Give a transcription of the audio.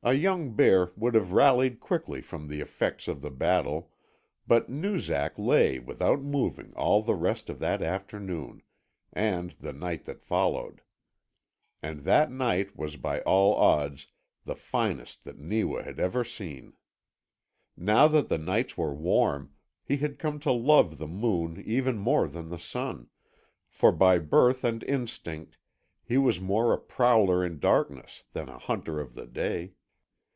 A young bear would have rallied quickly from the effects of the battle, but Noozak lay without moving all the rest of that afternoon, and the night that followed. And that night was by all odds the finest that Neewa had ever seen. Now that the nights were warm, he had come to love the moon even more than the sun, for by birth and instinct he was more a prowler in darkness than a hunter of the day.